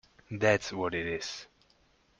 That’s what it is!